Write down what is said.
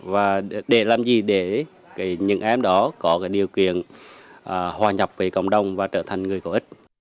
và để làm gì để những em đó có điều kiện hòa nhập với cộng đồng và trở thành người có ích